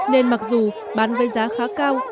nên mặc dù bán với giá khá cao